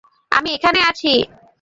আমি এখানে আছি!